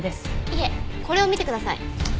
いえこれを見てください。